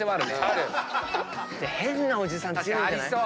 変なおじさん強いんじゃない。